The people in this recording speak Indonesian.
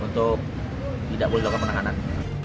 untuk tidak boleh dilakukan penahanan